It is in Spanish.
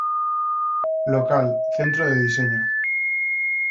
Local, Centro de diseño.